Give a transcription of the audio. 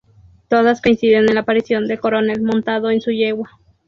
Todas coinciden en la aparición del Coronel montado en su yegua.